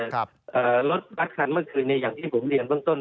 แต่รถบัตรคันเมื่อคืนในอย่างที่ผมเรียนต้น